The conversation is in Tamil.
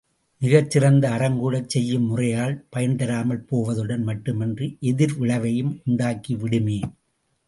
மிகச் சிறந்த அறம் கூடச் செய்யும் முறையால் பயன்தராமல் போவதுடன் மட்டுமன்றி எதிர்விளைவையும் உண்டாக்கி விடுமே!